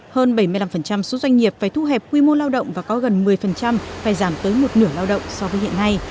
hơn bảy mươi năm số doanh nghiệp phải thu hẹp quy mô lao động và có gần một mươi phải giảm tới một nửa lao động so với hiện nay